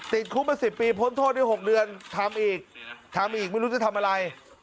ติดคุกมา๑๐ปีพ้นโทษได้๖เดือนทำอีกทำอีกไม่รู้จะทำอะไร